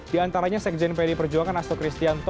diantaranya sekjen pdi perjuangan astro cristianto